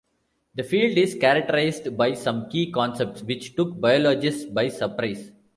The field is characterised by some key concepts, which took biologists by surprise.